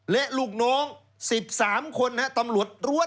เละลูกน้อง๑๓คนครับตำรวจร้วน